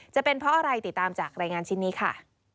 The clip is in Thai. จะเป็นเพราะอะไรติดตามจากรายงานชิ้นนี้ค่ะ